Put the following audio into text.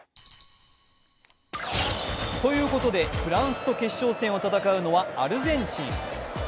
ということで、フランスと決勝戦を戦うのはアルゼンチン。